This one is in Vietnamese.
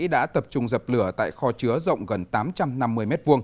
đã tập trung dập lửa tại kho chứa rộng gần tám trăm năm mươi m hai